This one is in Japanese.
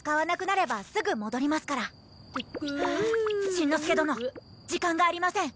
しんのすけ殿時間がありません。